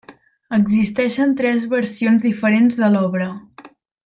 Existeixen tres versions diferents de l'obra.